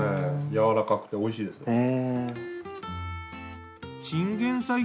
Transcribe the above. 柔らかくておいしいです。